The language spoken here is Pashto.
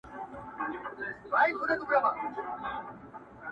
نه په ژوند کي د مرغانو غوښی خومه!!